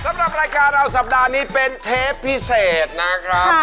สำหรับรายการเราสัปดาห์นี้เป็นเทปพิเศษนะครับ